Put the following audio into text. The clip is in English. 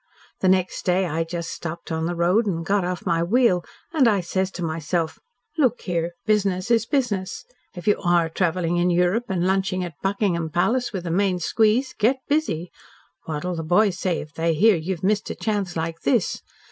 The next day I just stopped on the road and got off my wheel, and I says to myself: 'Look here, business is business, if you ARE travelling in Europe and lunching at Buckingham Palace with the main squeeze. Get busy! What'll the boys say if they hear you've missed a chance like this?